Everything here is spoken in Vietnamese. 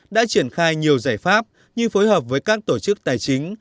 đã triển khai nhiều giải pháp như phối hợp với các tổ chức tài chính